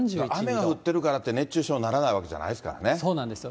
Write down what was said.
雨が降ってるからって、熱中症にならないわけじゃないですそうなんですよ。